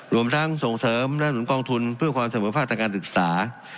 รวมทั้งส่งเสริมและหนุนกองทุนเพื่อความเสมอภาคทางการศึกษา